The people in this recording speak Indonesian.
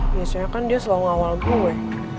biasanya kan dia selalu ngawal gue